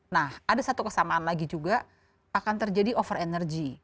nah ada satu kesamaan lagi juga akan terjadi over energy